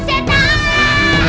aduh aduh aduh aduh aduh aduh